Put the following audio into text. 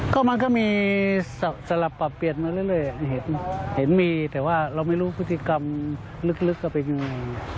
ก็มันก็มีสลับปรับเปลี่ยนมาเรื่อยเห็นมีแต่ว่าเราไม่รู้พฤติกรรมลึกก็เป็นยังไง